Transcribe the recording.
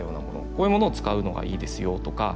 こういうものを使うのがいいですよとか。